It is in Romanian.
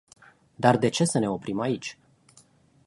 Dar de ce să ne oprim aici?